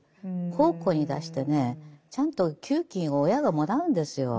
奉公に出してねちゃんと給金を親がもらうんですよ。